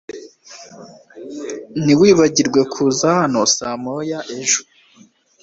Ntiwibagirwe kuza hano saa moya ejo.